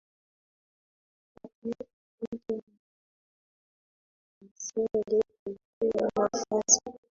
wa taifa moja Maana Obama kimsingi alipewa nafasi